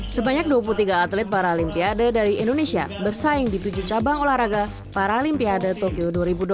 sebanyak dua puluh tiga atlet paralimpiade dari indonesia bersaing di tujuh cabang olahraga paralimpiade tokyo dua ribu dua puluh